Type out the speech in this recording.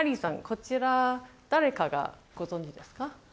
こちら誰かご存じですか？